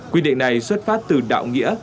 quy định này xuất phát từ đạo nghĩa